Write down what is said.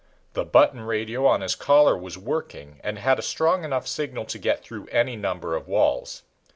The button radio on his collar was working and had a strong enough signal to get through any number of walls.